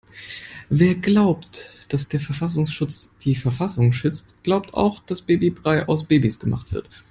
Wer glaubt, dass der Verfassungsschutz die Verfassung schützt, glaubt auch dass Babybrei aus Babys gemacht wird.